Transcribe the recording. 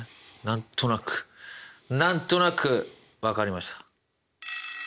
何となく何となくわかりました。